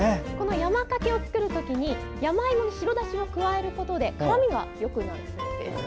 山かけを作るときに山芋に白だしを加えることでうまみが強くなるそうです。